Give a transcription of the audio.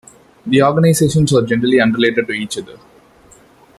The organisations are generally unrelated to each other.